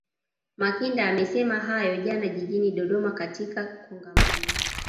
Makinda amesema hayo jana jijini Dodoma katika Kongamano